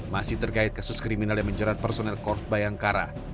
masih terkait kasus kriminal yang menjerat personel korp bayangkara